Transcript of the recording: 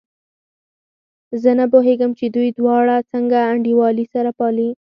زه نه پوهېږم چې دوی دواړه څنګه انډيوالي سره پالي.